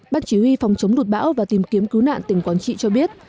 bác chỉ huy phòng chống đột bão và tìm kiếm cứu nạn tỉnh quảng trị cho biết